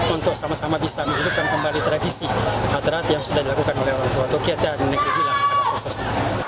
untuk sama sama bisa menghidupkan kembali tradisi hadrat yang sudah dilakukan oleh orang tua tua kita di negeri kita